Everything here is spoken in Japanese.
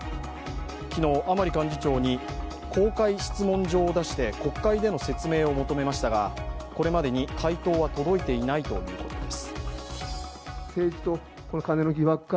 昨日、甘利幹事長に公開質問状を出して国会での説明を求めましたがこれまでに回答は届いていないということです。